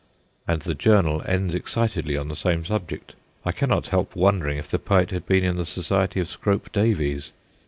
... And the journal ends excitedly on the same subject : I cannot help wondering if the poet had been in the society of Scrope Davies.